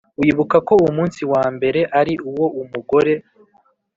wibuka ko umunsi wa mbere ari uwo umugore